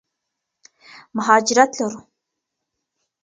مهاجرت لرو.